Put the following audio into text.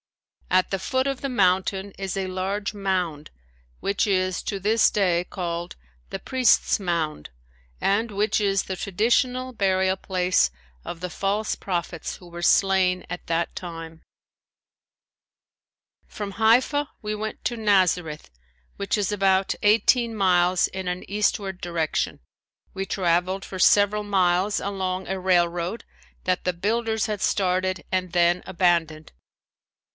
At the foot of the mountain is a large mound which is to this day called the "Priest's Mound" and which is the traditional burial place of the false prophets who were slain at that time. From Haifa we went to Nazareth which is about eighteen miles in an eastward direction. We traveled for several miles along a railroad that the builders had started and then abandoned.